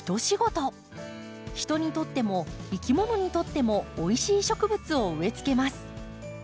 人にとってもいきものにとってもおいしい植物を植え付けます。